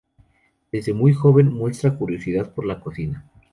Desde muy joven muestra curiosidad por la cocina.